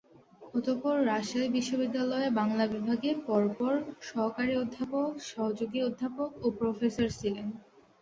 অতঃপর রাজশাহী বিশ্ববিদ্যালয়ের বাংলা বিভাগে পরপর সহকারী অধ্যাপক, সহযোগী অধ্যাপক ও প্রফেসর ছিলেন।